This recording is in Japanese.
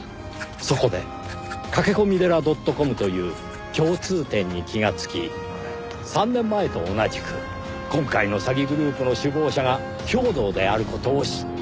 そこで駆け込み寺ドットコムという共通点に気がつき３年前と同じく今回の詐欺グループの首謀者が兵頭である事を知った。